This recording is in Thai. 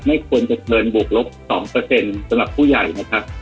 ไม่ควรจะเกินบวกลบ๒สำหรับผู้ใหญ่นะครับ